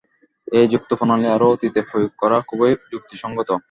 এই যুক্তিপ্রণালী আরও অতীতে প্রয়োগ করা খু্বই যুক্তিসঙ্গত।